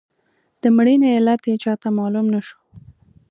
د مړینې علت یې چاته معلوم نه شو.